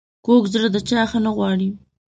کوږ زړه د چا ښه نه غواړي